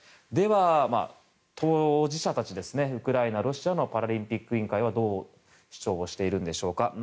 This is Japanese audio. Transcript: では、当事者たちウクライナ、ロシアのパラリンピック委員会はどう主張しているんでしょうか。